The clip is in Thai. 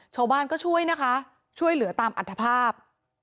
ชาวบ้านก็ช่วยนะคะช่วยเหลือตามอัธภาพ